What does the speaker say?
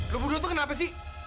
lo bunuh itu kenapa sih